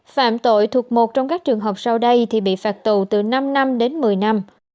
phạm tội thuộc một trong các trường hợp sau đây thì bị phạt tù từ năm năm đến một mươi năm